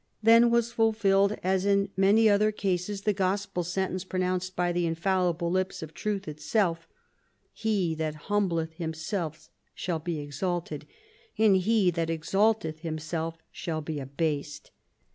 Then was fulfilled, as in many other cases, the gospel sentence pronounced by the infallible lips of Truth itself, 'He that humbleth himself shall be exalted, and he that exalteth himself shall be abased.'